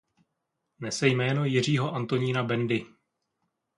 Nese jméno Jiřího Antonína Bendy.